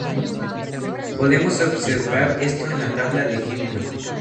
Podemos observar esto en la tabla de ejemplo.